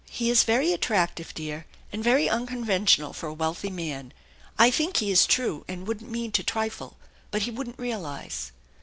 He is very attractive, dear, and very uncon ventional for a wealthy man. I think he is true and wouldn't mean to trifle, bat he wouldn't realize."